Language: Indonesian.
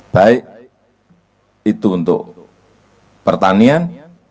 baik itu untuk pertanian